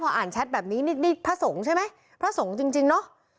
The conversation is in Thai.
พออ่านแชทแบบนี้นี่พระสงฆ์ใช่ไหมพระสงฆ์จริงจริงเนอะ